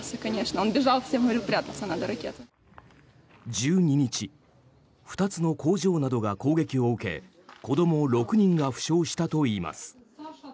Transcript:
１２日２つの工場などが攻撃を受け子ども６人が負傷したといいます。